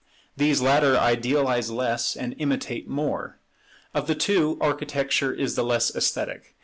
These latter idealize less, and imitate more. Of the two, Architecture is the less esthetic.